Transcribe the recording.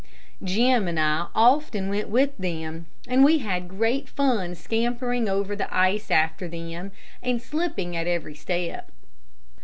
Jim and I often went with them, and we had great fun scampering over the ice after them, and slipping at every step.